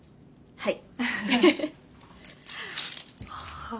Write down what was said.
はい。